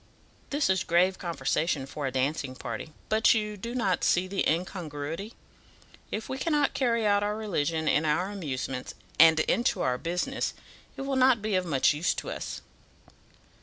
This is grave conversation for a dancing party; but you do not see the incongruity. If we cannot carry our religion into our amusements, and into our business, it will not be of much use to us."